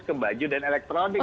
ke baju dan elektronik